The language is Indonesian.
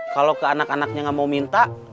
kalau ke anak anaknya nggak mau minta